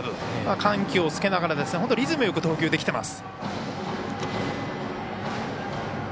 緩急をつけながら本当にリズムよく投球できてます。